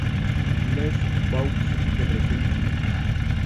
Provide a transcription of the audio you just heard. Les Baux-de-Breteuil